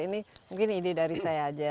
ini mungkin ide dari saya aja